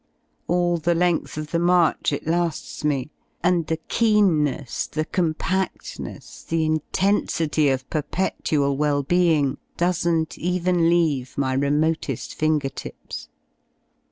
All the length of the march it la^s me, and the keenness, the compactness, the intensity of perpetual well being doesn't even leave my remoteil finger tips.